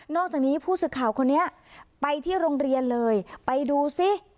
อกจากนี้ผู้สื่อข่าวคนนี้ไปที่โรงเรียนเลยไปดูซิ